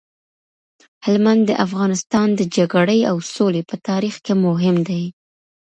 هلمند د افغانستان د جګړې او سولې په تاریخ کي مهم دی.